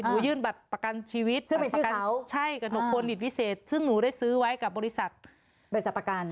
เป็นบัตรประกัญชีวิตซึ่งแนนโภลิตภิเษทซึ่งหนูได้ซื้อไว้กับบริษัทประกัน